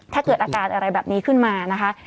ถ้าเกิดอาการอะไรแบบนี้ขึ้นมานะคะ